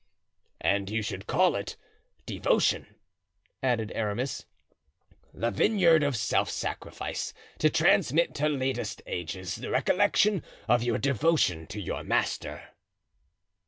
"And you should call it 'Devotion,'" added Aramis; "the vineyard of self sacrifice, to transmit to latest ages the recollection of your devotion to your master."